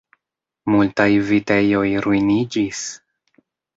Multaj vitejoj ruiniĝis!